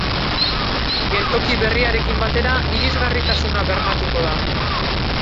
Geltoki berriarekin batera irisgarritasuna bermatuko da.